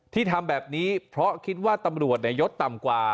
ที่ทำแบบนี้เพราะคิดว่าตำรวจยศต่ำกว่า